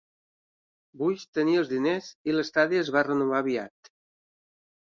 Busch tenia els diners i l'estadi es va renovar aviat.